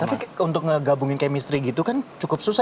tapi untuk ngegabungin chemistry gitu kan cukup susah